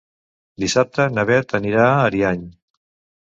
Dissabte na Beth anirà a Ariany.